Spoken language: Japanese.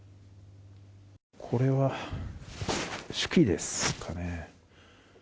これは手記ですかね。